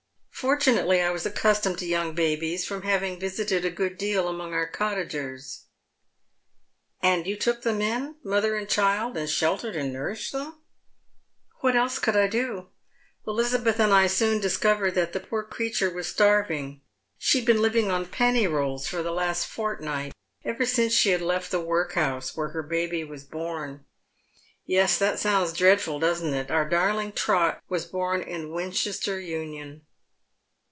Fortunately I was accustomed to young babies, from having visited a good deal among our cottagers." •' And you took them in, mother and child, and sheltered and nourished them ?"" "What else could I do ? Elizabeth and I soon discovered that the poor creature was starving. She had been living on penny rolls for the last fortnight — ever since she had left the workhouse, where her baby was born. Yes, that sounds dread ful, doesn't it? Our darhng Trot was bom in Winchester Union."